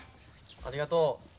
ありがとう。